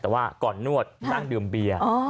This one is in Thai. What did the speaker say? แต่ว่าก่อนนวดนั่งดื่มเบียร์